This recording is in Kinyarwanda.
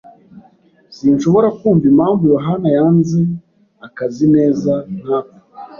Sinshobora kumva impamvu Yohana yanze akazi neza nkako.